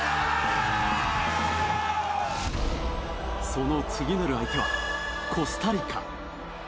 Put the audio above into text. その次なる相手はコスタリカ。